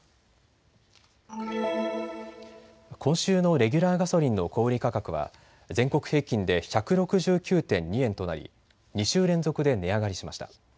今週のレギュラーガソリンの小売価格は全国平均で１６９．２円となり２週連続で値上がりしました。